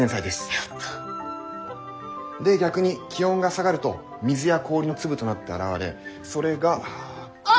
やった！で逆に気温が下がると水や氷の粒となって現れそれが雲。